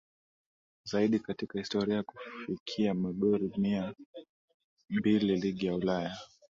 Zaidi katika historia kufikia magori mia mbili ligi ya Ulaya